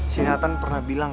si nathan pernah bilang